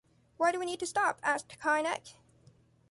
Why do we need to stop? asked Keinec.